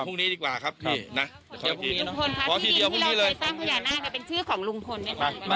ตอนนี้นะครับผม